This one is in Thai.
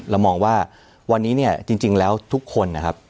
เรามองว่าวันนี้เนี่ยจริงแล้วทุกคนนะครับ